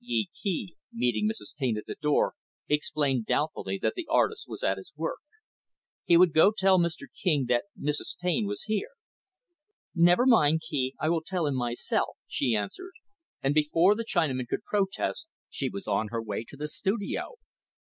Yee Kee, meeting Mrs. Taine at the door, explained, doubtfully, that the artist was at his work. He would go tell Mr. King that Mrs. Taine was here. "Never mind, Kee. I will tell him myself," she answered; and, before the Chinaman could protest, she was on her way to the studio.